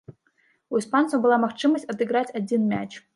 У іспанцаў была магчымасць адыграць адзін мяч.